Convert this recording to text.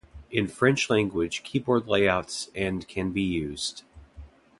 In French-language keyboard layouts and can be used.